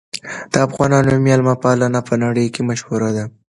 د افغانانو مېلمه پالنه په نړۍ کې مشهوره ده.